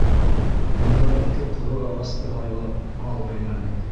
Унда ике ҡоро ағасты һайлап һал бәйләнек.